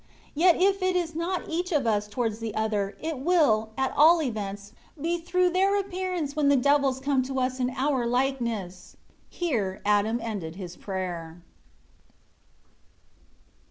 Yet if it is not each of us towards the other, it will, at all events, be through their appearance when the devils come to us in our likeness." Here Adam ended his prayer.